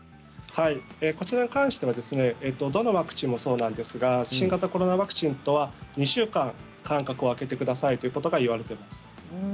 こちらに関してはどのワクチンもそうなんですが新型コロナワクチンとは２週間間隔を空けてくださいということが言われています。